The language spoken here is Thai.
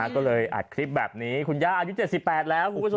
ก็เลยอัดคลิปแบบนี้คุณย่าอายุ๗๘แล้วคุณผู้ชม